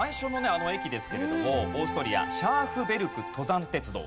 あの駅ですけれどもオーストリアシャーフベルク登山鉄道。